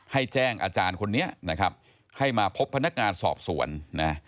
ให้แจ้งอาจารย์คนนี้นะครับให้มาพบพนักงานสอบสวนนะ